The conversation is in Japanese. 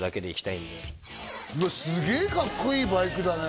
うわすげえかっこいいバイクだね